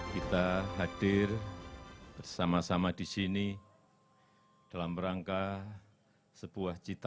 kita hadir bersama sama di sini dalam rangka sebuah cita